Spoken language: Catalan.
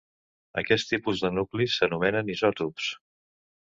Aquests tipus de nuclis s'anomenen isòtops.